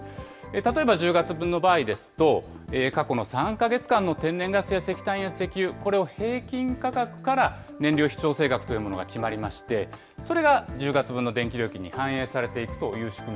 例えば１０月分の場合ですと、過去の３か月間の天然ガスや石炭や石油、これを平均価格から燃料費調整額というものが決まりまして、それが１０月分の電気料金に反映なるほど。